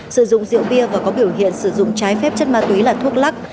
sử dụng rượu bia và có biểu hiện sử dụng trái phép chất ma túy là thuốc lắc